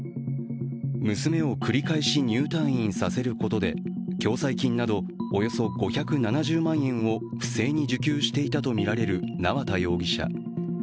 娘を繰り返し入退院させることで共済金などおよそ５７０万円を不正に受給していたとみられる縄田容疑者。